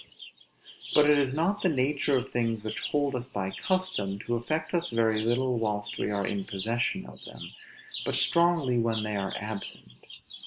But it is the nature of things which hold us by custom, to affect us very little whilst we are in possession of them, but strongly when they are absent.